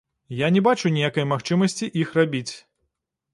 Я не бачу ніякай магчымасці іх рабіць.